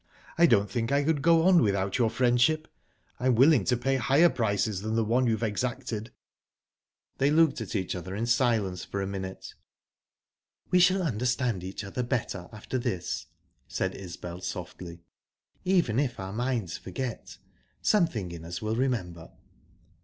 I don't think I could go on without your friendship. I'm willing to pay higher prices than the one you've exacted." They looked at each other in silence for a minute. "We shall understand each other better after this," said Isbel, softly. "Even if our minds forget, something in us will remember."